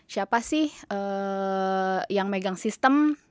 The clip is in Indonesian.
siapa sih yang megang sistem